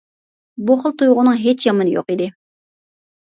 بۇ خىل تۇيغۇنىڭ ھېچ يامىنى يوق ئىدى.